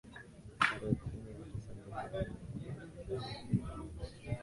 Tarehe kumi na tisa mwezi wa nne mwaka wa elfu mbili kumi na moja